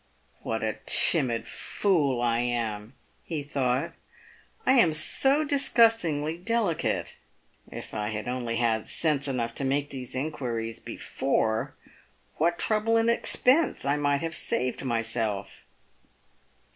" What a timid fool I am," he thought. " I am so disgustingly deli cate. If I had only had sense enough to make these inquiries before, what trouble and expense I might have saved myself."